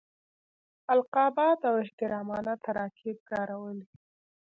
القابات او احترامانه تراکیب کارولي.